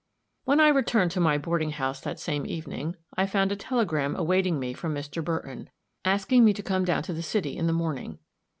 When I returned to my boarding house that same evening, I found a telegram awaiting me from Mr. Burton, asking me to come down to the city in the morning.